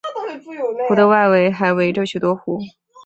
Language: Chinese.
湖的外围还围着许多湖。